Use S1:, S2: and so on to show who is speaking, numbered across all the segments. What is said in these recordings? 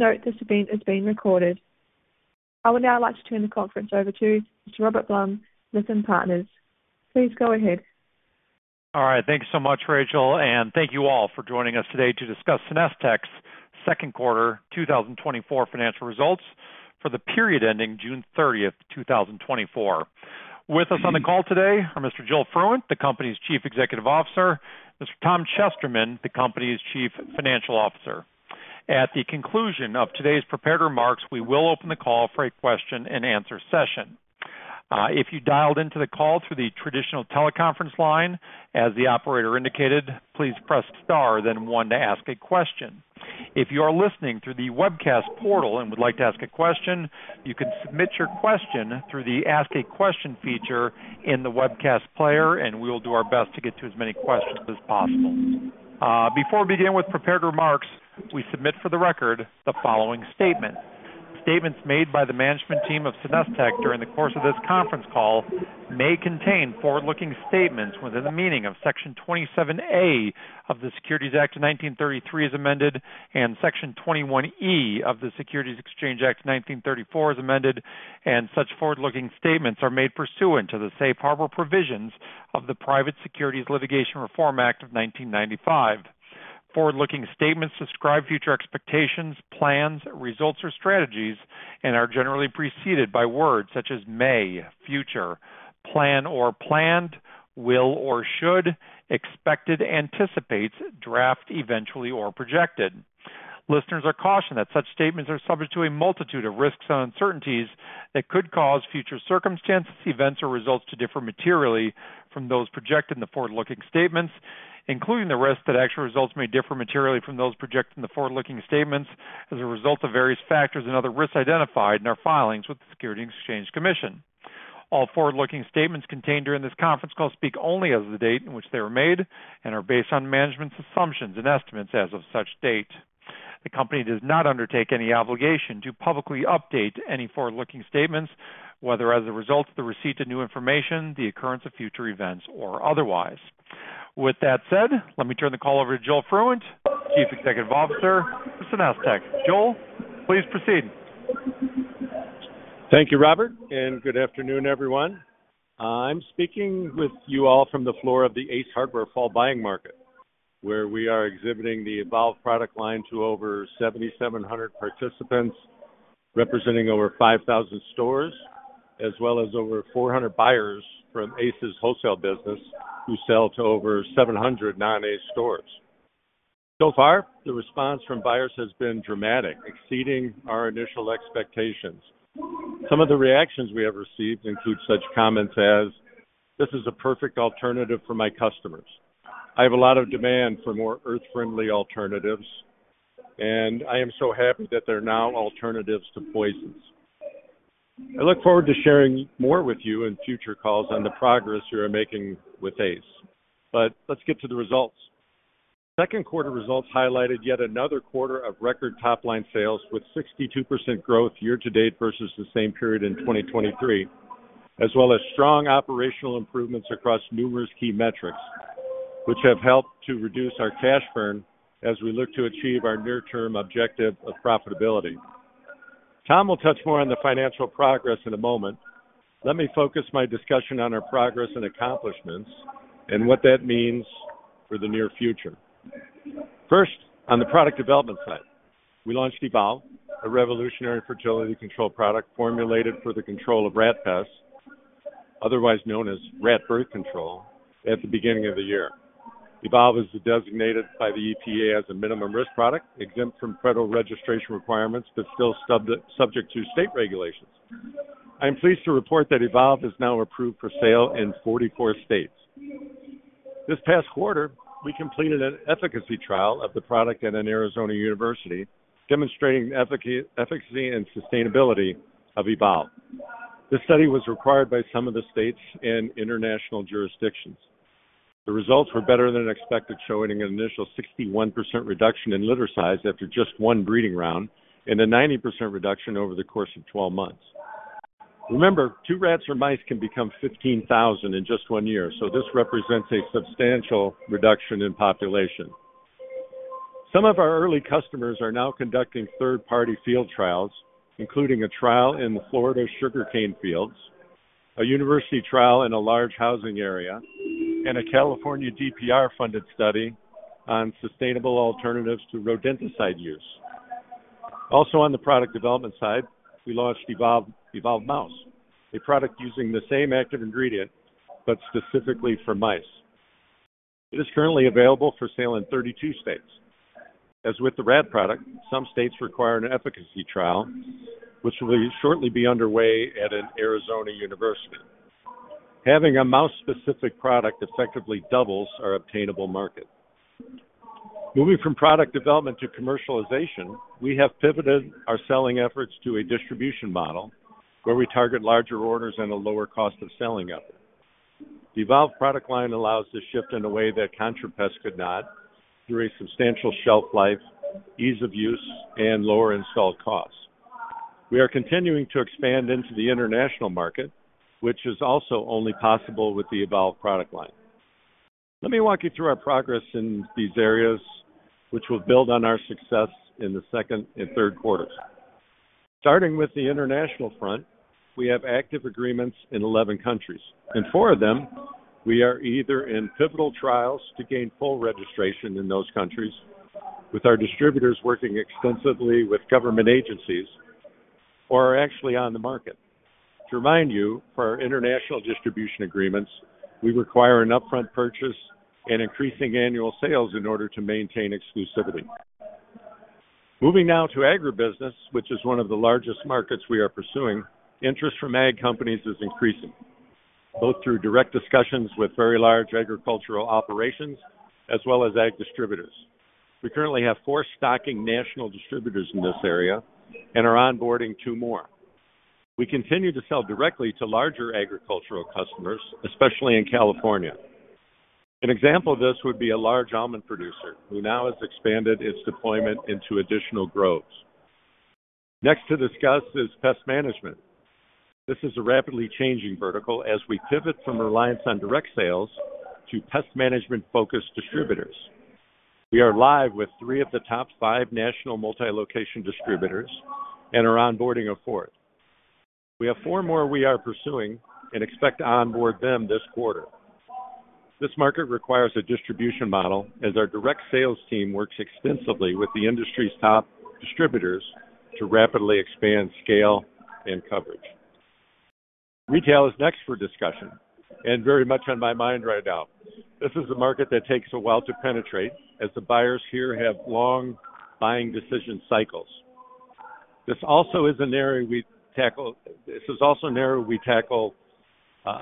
S1: Please note this event is being recorded. I would now like to turn the conference over to Mr. Robert Blum, Lytham Partners. Please go ahead.
S2: All right, thanks so much, Rachel, and thank you all for joining us today to discuss SenesTech's Second Quarter 2024 Financial Results for the Period Ending June 30, 2024. With us on the call today are Mr. Joel Fruendt, the company's Chief Executive Officer, Mr. Tom Chesterman, the company's Chief Financial Officer. At the conclusion of today's prepared remarks, we will open the call for a question-and-answer session. If you dialed into the call through the traditional teleconference line, as the operator indicated, please press Star, then one to ask a question. If you are listening through the webcast portal and would like to ask a question, you can submit your question through the Ask a Question feature in the webcast player, and we will do our best to get to as many questions as possible. Before we begin with prepared remarks, we submit for the record the following statement. Statements made by the management team of SenesTech during the course of this conference call may contain forward-looking statements within the meaning of Section 27A of the Securities Act of 1933, as amended, and Section 21E of the Securities Exchange Act of 1934, as amended, and such forward-looking statements are made pursuant to the Safe Harbor Provisions of the Private Securities Litigation Reform Act of 1995. Forward-looking statements describe future expectations, plans, results or strategies and are generally preceded by words such as may, future, plan or planned, will or should, expected, anticipates, draft, eventually, or projected. Listeners are cautioned that such statements are subject to a multitude of risks and uncertainties that could cause future circumstances, events, or results to differ materially from those projected in the forward-looking statements, including the risk that actual results may differ materially from those projected in the forward-looking statements as a result of various factors and other risks identified in our filings with the Securities and Exchange Commission. All forward-looking statements contained during this conference call speak only as of the date in which they were made and are based on management's assumptions and estimates as of such date. The company does not undertake any obligation to publicly update any forward-looking statements, whether as a result of the receipt of new information, the occurrence of future events, or otherwise. With that said, let me turn the call over to Joel Fruendt, Chief Executive Officer, SenesTech. Joel, please proceed.
S3: Thank you, Robert, and good afternoon, everyone. I'm speaking with you all from the floor of the Ace Hardware Fall Buying Market, where we are exhibiting the Evolve product line to over 7,700 participants, representing over 5,000 stores, as well as over 400 buyers from Ace's wholesale business, who sell to over 700 non-Ace stores. So far, the response from buyers has been dramatic, exceeding our initial expectations. Some of the reactions we have received include such comments as, "This is a perfect alternative for my customers." "I have a lot of demand for more earth-friendly alternatives," and, "I am so happy that there are now alternatives to poisons." I look forward to sharing more with you in future calls on the progress we are making with Ace. Let's get to the results. Second quarter results highlighted yet another quarter of record top-line sales, with 62% growth year to date versus the same period in 2023, as well as strong operational improvements across numerous key metrics, which have helped to reduce our cash burn as we look to achieve our near-term objective of profitability. Tom will touch more on the financial progress in a moment. Let me focus my discussion on our progress and accomplishments and what that means for the near future. First, on the product development side, we launched Evolve, a revolutionary fertility control product formulated for the control of rat pests, otherwise known as rat birth control, at the beginning of the year. Evolve is designated by the EPA as a minimum risk product, exempt from federal registration requirements, but still subject to state regulations. I am pleased to report that Evolve is now approved for sale in 44 states. This past quarter, we completed an efficacy trial of the product at an Arizona university, demonstrating efficacy and sustainability of Evolve. This study was required by some of the states and international jurisdictions. The results were better than expected, showing an initial 61% reduction in litter size after just one breeding round and a 90% reduction over the course of 12 months. Remember, 2 rats or mice can become 15,000 in just 1 year, so this represents a substantial reduction in population. Some of our early customers are now conducting third-party field trials, including a trial in the Florida sugarcane fields, a university trial in a large housing area, and a California DPR-funded study on sustainable alternatives to rodenticide use. Also on the product development side, we launched Evolve, Evolve Mouse, a product using the same active ingredient but specifically for mice. It is currently available for sale in 32 states. As with the rat product, some states require an efficacy trial, which will shortly be underway at an Arizona university. Having a mouse-specific product effectively doubles our obtainable market. Moving from product development to commercialization, we have pivoted our selling efforts to a distribution model where we target larger orders and a lower cost of selling effort. The Evolve product line allows this shift in a way that ContraPest could not through a substantial shelf life, ease of use, and lower install costs. We are continuing to expand into the international market, which is also only possible with the Evolve product line.... Let me walk you through our progress in these areas, which will build on our success in the second and third quarters. Starting with the international front, we have active agreements in 11 countries. In 4 of them, we are either in pivotal trials to gain full registration in those countries, with our distributors working extensively with government agencies, or are actually on the market. To remind you, for our international distribution agreements, we require an upfront purchase and increasing annual sales in order to maintain exclusivity. Moving now to agribusiness, which is one of the largest markets we are pursuing, interest from ag companies is increasing, both through direct discussions with very large agricultural operations as well as ag distributors. We currently have 4 stocking national distributors in this area and are onboarding 2 more. We continue to sell directly to larger agricultural customers, especially in California. An example of this would be a large almond producer, who now has expanded its deployment into additional groves. Next to discuss is pest management. This is a rapidly changing vertical as we pivot from reliance on direct sales to pest management-focused distributors. We are live with three of the top five national multi-location distributors and are onboarding a fourth. We have four more we are pursuing and expect to onboard them this quarter. This market requires a distribution model, as our direct sales team works extensively with the industry's top distributors to rapidly expand scale and coverage. Retail is next for discussion and very much on my mind right now. This is a market that takes a while to penetrate, as the buyers here have long buying decision cycles. This is also an area we tackle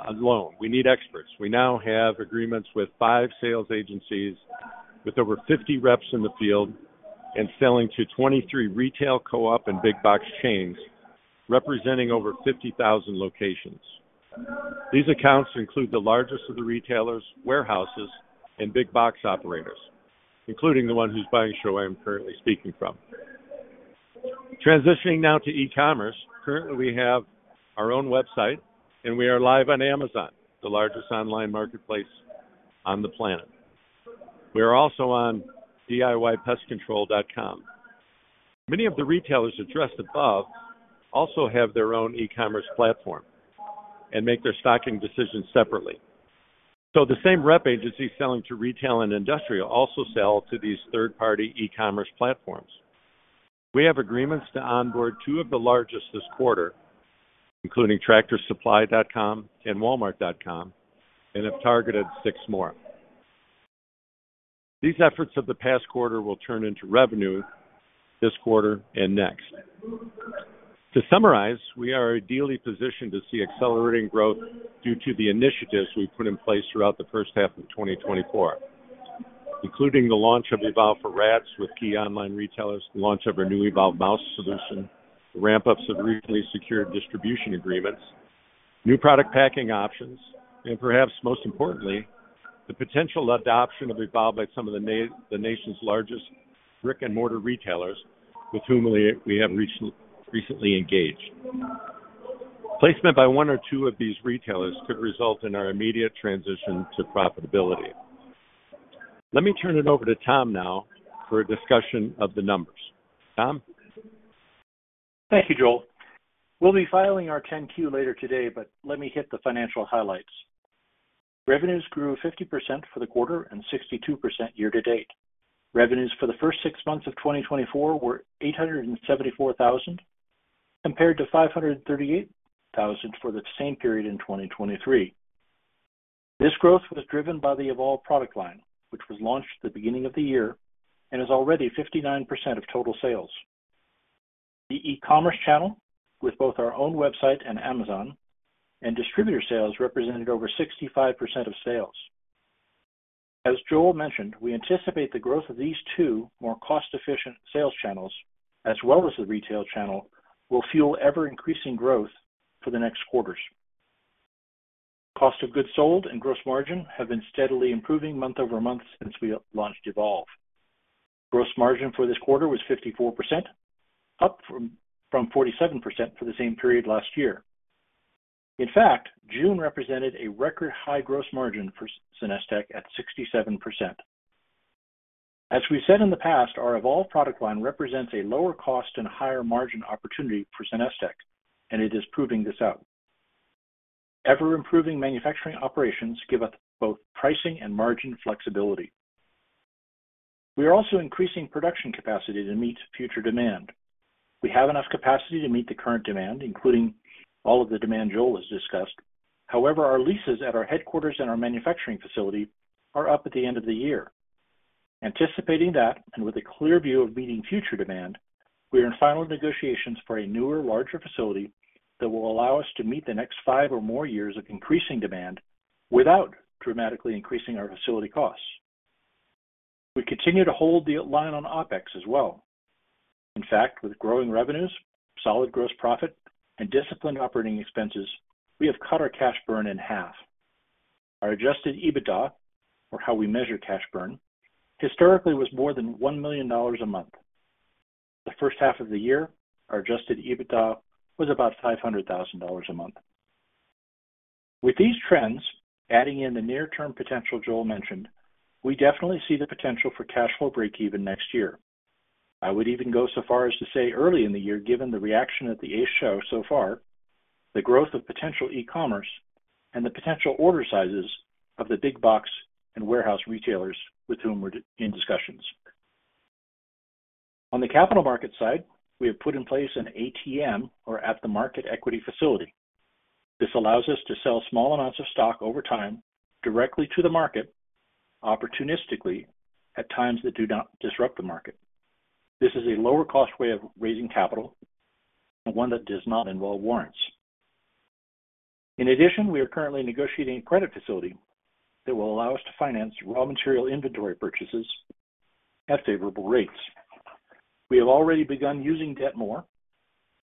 S3: alone. We need experts. We now have agreements with 5 sales agencies, with over 50 reps in the field and selling to 23 retail, co-op, and big box chains, representing over 50,000 locations. These accounts include the largest of the retailers, warehouses, and big box operators, including the one who's buying Ace where I am currently speaking from. Transitioning now to e-commerce. Currently, we have our own website, and we are live on Amazon, the largest online marketplace on the planet. We are also on DIYpestcontrol.com. Many of the retailers addressed above also have their own e-commerce platform and make their stocking decisions separately. So the same rep agencies selling to retail and industrial also sell to these third-party e-commerce platforms. We have agreements to onboard two of the largest this quarter, including TractorSupply.com and Walmart.com, and have targeted six more. These efforts of the past quarter will turn into revenue this quarter and next. To summarize, we are ideally positioned to see accelerating growth due to the initiatives we put in place throughout the first half of 2024, including the launch of Evolve for rats with key online retailers, the launch of our new Evolve Mouse solution, the ramp-ups of recently secured distribution agreements, new product packing options, and perhaps most importantly, the potential adoption of Evolve by some of the the nation's largest brick-and-mortar retailers with whom we have recently engaged. Placement by one or two of these retailers could result in our immediate transition to profitability. Let me turn it over to Tom now for a discussion of the numbers. Tom?
S4: Thank you, Joel. We'll be filing our 10-Q later today, but let me hit the financial highlights. Revenues grew 50% for the quarter and 62% year to date. Revenues for the first six months of 2024 were $874,000, compared to $538,000 for the same period in 2023. This growth was driven by the Evolve product line, which was launched at the beginning of the year and is already 59% of total sales. The e-commerce channel, with both our own website and Amazon, and distributor sales, represented over 65% of sales. As Joel mentioned, we anticipate the growth of these two more cost-efficient sales channels, as well as the retail channel, will fuel ever-increasing growth for the next quarters. Cost of goods sold and gross margin have been steadily improving month-over-month since we launched Evolve. Gross margin for this quarter was 54%, up from forty-seven percent for the same period last year. In fact, June represented a record high gross margin for SenesTech at 67%. As we said in the past, our Evolve product line represents a lower cost and higher margin opportunity for SenesTech, and it is proving this out. Ever-improving manufacturing operations give us both pricing and margin flexibility. We are also increasing production capacity to meet future demand. We have enough capacity to meet the current demand, including all of the demand Joel has discussed. However, our leases at our headquarters and our manufacturing facility are up at the end of the year. Anticipating that, and with a clear view of meeting future demand, we are in final negotiations for a newer, larger facility that will allow us to meet the next five or more years of increasing demand without dramatically increasing our facility costs. We continue to hold the line on OpEx as well. In fact, with growing revenues, solid gross profit, and disciplined operating expenses, we have cut our cash burn in half. Our adjusted EBITDA, or how we measure cash burn, historically, was more than $1 million a month.... The first half of the year, our adjusted EBITDA was about $500,000 a month. With these trends, adding in the near-term potential Joel mentioned, we definitely see the potential for cash flow breakeven next year. I would even go so far as to say early in the year, given the reaction at the Ace Show so far, the growth of potential e-commerce and the potential order sizes of the big box and warehouse retailers with whom we're in discussions. On the capital market side, we have put in place an ATM or at-the-market equity facility. This allows us to sell small amounts of stock over time directly to the market, opportunistically, at times that do not disrupt the market. This is a lower cost way of raising capital, and one that does not involve warrants. In addition, we are currently negotiating a credit facility that will allow us to finance raw material inventory purchases at favorable rates. We have already begun using debt more.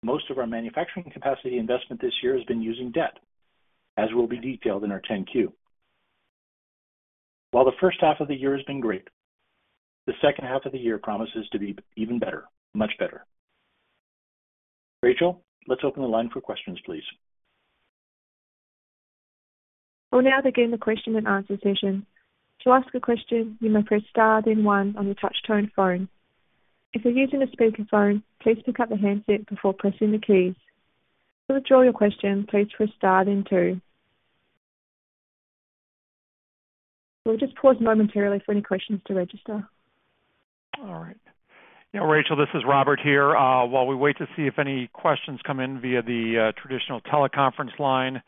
S4: Most of our manufacturing capacity investment this year has been using debt, as will be detailed in our 10-Q. While the first half of the year has been great, the second half of the year promises to be even better, much better. Rachel, let's open the line for questions, please.
S1: We'll now begin the question and answer session. To ask a question, you may press star then one on the touch tone phone. If you're using a speakerphone, please pick up the handset before pressing the keys. To withdraw your question, please press star then two. We'll just pause momentarily for any questions to register.
S2: All right. Yeah, Rachel, this is Robert here. While we wait to see if any questions come in via the traditional teleconference line,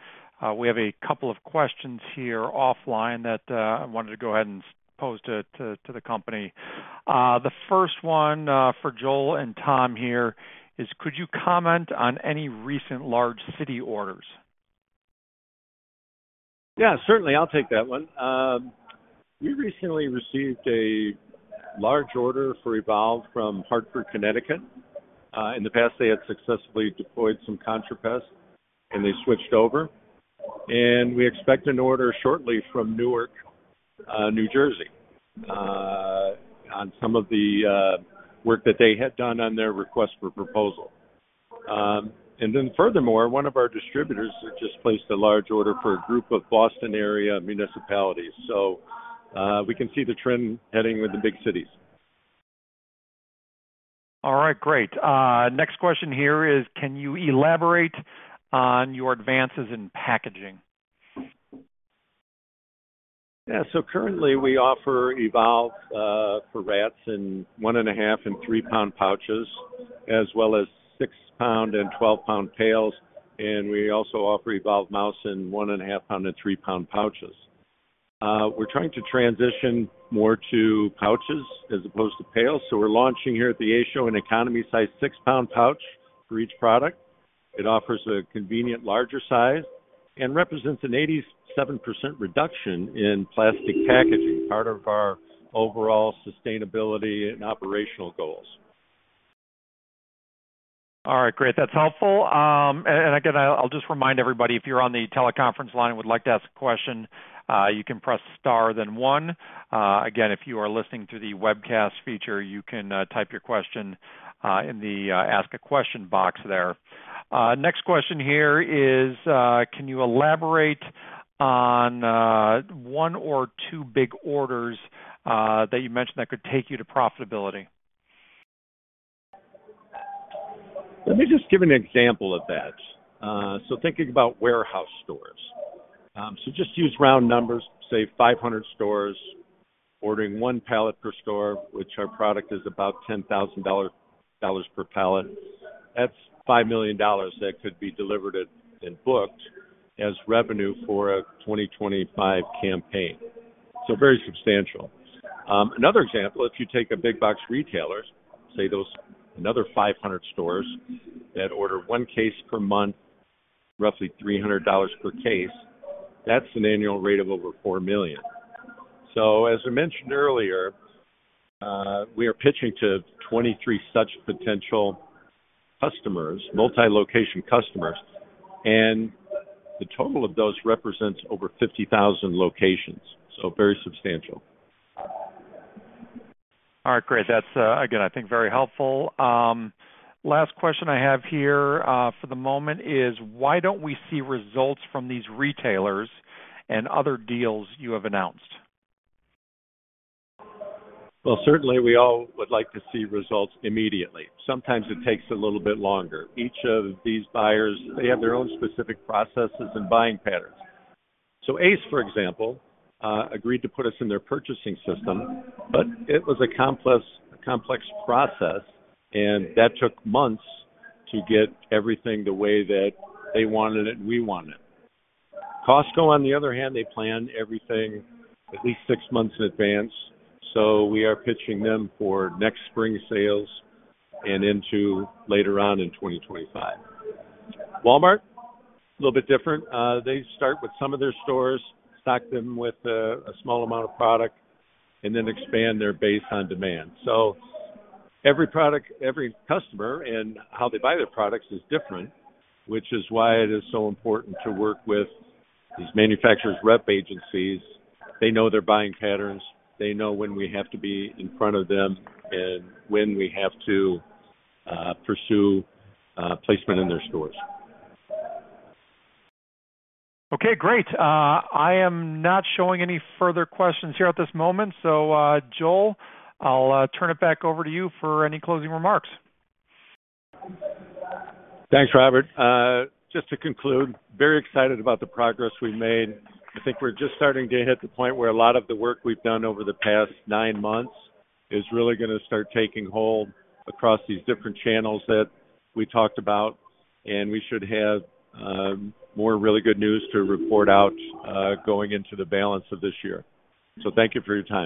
S2: we have a couple of questions here offline that I wanted to go ahead and pose to the company. The first one for Joel and Tom here is: Could you comment on any recent large city orders?
S3: Yeah, certainly. I'll take that one. We recently received a large order for Evolve from Hartford, Connecticut. In the past, they had successfully deployed some ContraPest, and they switched over, and we expect an order shortly from Newark, New Jersey, on some of the work that they had done on their request for proposal. And then furthermore, one of our distributors has just placed a large order for a group of Boston-area municipalities, so, we can see the trend heading with the big cities.
S2: All right, great. Next question here is, can you elaborate on your advances in packaging?
S3: Yeah. So currently we offer Evolve for rats in 1.5- and 3-pound pouches, as well as 6-pound and 12-pound pails, and we also offer Evolve Mouse in 1.5-pound and 3-pound pouches. We're trying to transition more to pouches as opposed to pails, so we're launching here at the Ace Show, an economy-sized 6-pound pouch for each product. It offers a convenient, larger size and represents an 87% reduction in plastic packaging, part of our overall sustainability and operational goals.
S2: All right, great. That's helpful. And again, I'll just remind everybody, if you're on the teleconference line and would like to ask a question, you can press star, then one. Again, if you are listening to the webcast feature, you can type your question in the ask a question box there. Next question here is: Can you elaborate on one or two big orders that you mentioned that could take you to profitability?
S3: Let me just give an example of that. So thinking about warehouse stores. So just use round numbers, say, 500 stores, ordering one pallet per store, which our product is about $10,000 per pallet. That's $5 million that could be delivered and, and booked as revenue for a 2025 campaign, so very substantial. Another example, if you take a big box retailers, say, those another 500 stores that order one case per month, roughly $300 per case, that's an annual rate of over $4 million. So as I mentioned earlier, we are pitching to 23 such potential customers, multi-location customers, and the total of those represents over 50,000 locations, so very substantial.
S2: All right, great. That's, again, I think very helpful. Last question I have here, for the moment is: Why don't we see results from these retailers and other deals you have announced?
S3: Well, certainly we all would like to see results immediately. Sometimes it takes a little bit longer. Each of these buyers, they have their own specific processes and buying patterns. So ACE, for example, agreed to put us in their purchasing system, but it was a complex, complex process, and that took months to get everything the way that they wanted it and we wanted. Costco, on the other hand, they plan everything at least six months in advance, so we are pitching them for next spring sales and into later on in 2025. Walmart, a little bit different. They start with some of their stores, stock them with a small amount of product, and then expand their base on demand. So every product, every customer, and how they buy their products is different, which is why it is so important to work with these manufacturers' rep agencies. They know their buying patterns. They know when we have to be in front of them and when we have to pursue placement in their stores.
S2: Okay, great. I am not showing any further questions here at this moment, so, Joel, I'll turn it back over to you for any closing remarks.
S3: Thanks, Robert. Just to conclude, very excited about the progress we've made. I think we're just starting to hit the point where a lot of the work we've done over the past nine months is really gonna start taking hold across these different channels that we talked about, and we should have more really good news to report out, going into the balance of this year. So thank you for your time.